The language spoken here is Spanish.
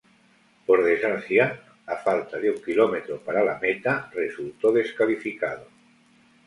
Por desgracia a falta de un kilómetro para la meta resultó descalificado.